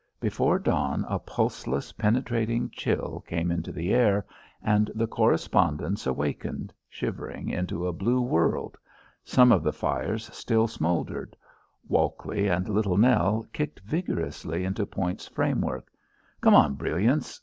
Before dawn a pulseless, penetrating chill came into the air, and the correspondents awakened, shivering, into a blue world. Some of the fires still smouldered. Walkley and Little Nell kicked vigorously into Point's framework. "Come on, brilliance!